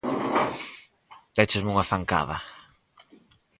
Déchesme unha zancada!